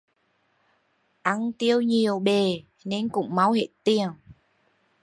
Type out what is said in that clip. Ăn tiêu nhiều bề nên cũng mau hết tiền